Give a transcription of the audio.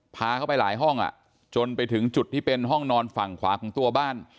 พาเข้าไปหลายห้องจนไปถึงจุดที่เป็นห้องนอนฝั่งขวาของตัวบ้าน